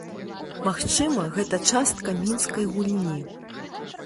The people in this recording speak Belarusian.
Магчыма, гэта частка мінскай гульні.